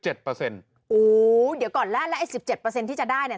โอ้โหเดี๋ยวก่อนแล้วแล้วไอ้๑๗ที่จะได้เนี่ย